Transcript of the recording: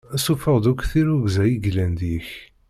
Sṣufeɣ-d akk tirrugza i yellan deg-k.